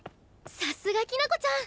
さすがきな子ちゃん！